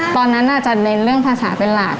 ตอนนั้นอาจจะเน้นเรื่องภาษาเป็นหลาน